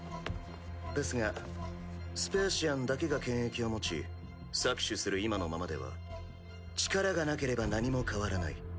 ですがスペーシアンだけが権益を持ち搾取する今のままでは力がなければ何も変わらない。